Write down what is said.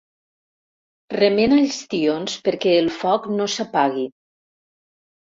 Remena els tions perquè el foc no s'apagui.